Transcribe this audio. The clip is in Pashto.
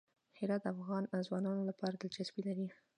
هرات د افغان ځوانانو لپاره دلچسپي لري.